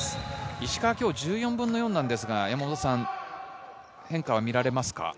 石川は今日１４分の４ですが、変化は見られますか？